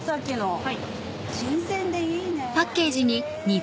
新鮮でいいねへぇ。